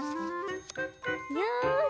よし！